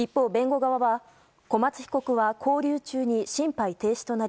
一方、弁護側は小松被告は勾留中に心肺停止となり